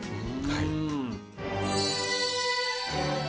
はい。